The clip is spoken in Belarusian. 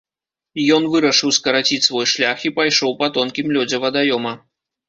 Ён вырашыў скараціць свой шлях і пайшоў па тонкім лёдзе вадаёма.